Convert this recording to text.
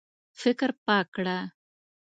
فکر پاک کړه.